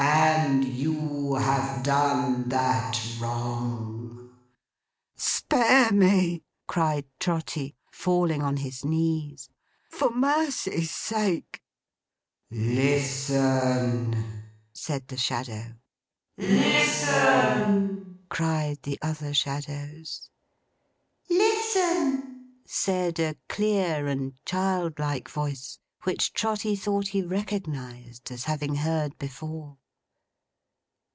And you have done that wrong!' 'Spare me!' cried Trotty, falling on his knees; 'for Mercy's sake!' 'Listen!' said the Shadow. 'Listen!' cried the other Shadows. 'Listen!' said a clear and childlike voice, which Trotty thought he recognised as having heard before.